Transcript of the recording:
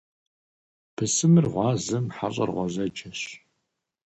Бысымыр гъуазэм, хьэщӏэр гъуэзэджэщ.